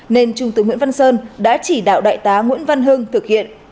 nên trung tướng nguyễn văn sơn đã chỉ đạo đại tá nguyễn văn hưng thực hiện